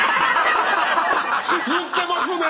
言ってますね！